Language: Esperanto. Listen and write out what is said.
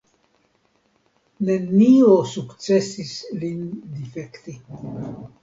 Nenio sukcesis lin difekti.